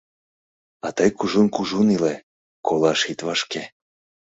А тый кужун-кужун иле, колаш ит вашке.